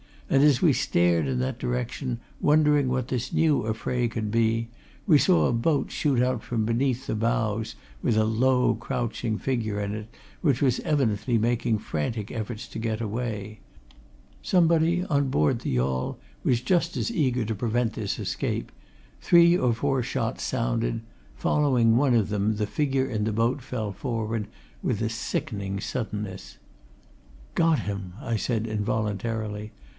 And as we stared in that direction, wondering what this new affray could be, we saw a boat shoot out from beneath the bows, with a low, crouching figure in it which was evidently making frantic efforts to get away. Somebody on board the yawl was just as eager to prevent this escape; three or four shots sounded following one of them, the figure in the boat fell forward with a sickening suddenness. "Got him!" I said involuntarily.